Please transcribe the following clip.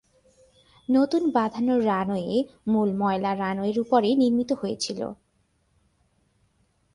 নতুন বাঁধানো রানওয়ে মূল ময়লা রানওয়ে উপরে নির্মিত হয়েছিল।